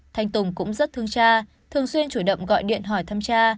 thanh tùng cũng rất thương cha thường xuyên chủ động gọi điện hỏi thăm cha